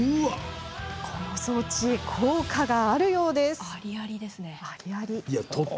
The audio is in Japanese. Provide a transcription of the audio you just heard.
この装置、効果があるようです。